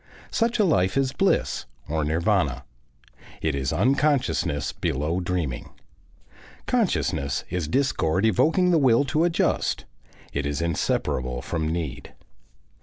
Such a life is bliss, or nirvana. It is unconsciousness below dreaming. Consciousness is discord evoking the will to adjust; it is inseparable from need.